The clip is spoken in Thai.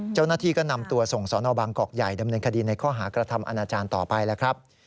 เจ้าหน้าที่ก็นำตัวส่งสนบางกอกใหญ่ดำเนินคดีในข้อหากระทำอาณาจารย์ต่อไปแล้วครับ